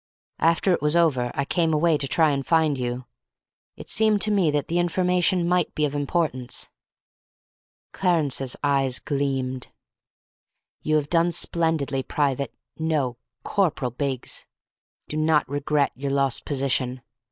After it was over I came away to try and find you. It seemed to me that the information might be of importance." Clarence's eyes gleamed. "You have done splendidly, Private no, Corporal Biggs. Do not regret your lost position.